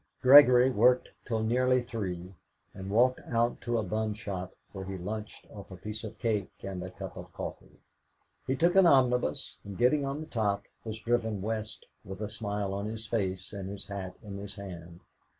Gregory worked till nearly three, and walked out to a bun shop, where he lunched off a piece of cake and a cup of coffee. He took an omnibus, and getting on the top, was driven West with a smile on his face and his hat in his hand.